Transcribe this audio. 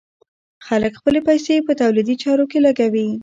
خلک خپلې پيسې په تولیدي چارو کې لګوي.